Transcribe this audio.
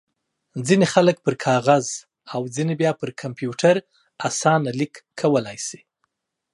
ځينې خلک پر کاغذ او ځينې بيا پر کمپيوټر اسانه ليک کولای شي.